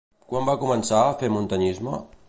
Quan va començar a fer muntanyisme?